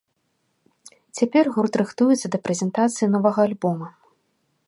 Цяпер гурт рыхтуецца да прэзентацыі новага альбома.